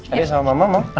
adik sama mama sama mama